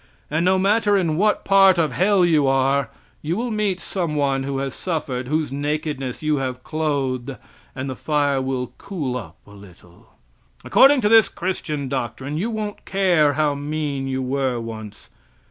And, no matter in what part of hell you are, you will meet some one who has suffered, whose nakedness you have clothed, and the fire will cool up a little. According to this Christian doctrine, you won't care how mean you were once.